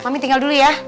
mami tinggal dulu ya